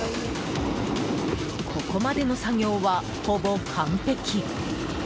ここまでの作業は、ほぼ完璧。